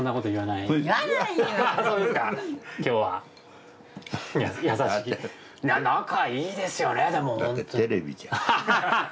いや仲いいですよねでも。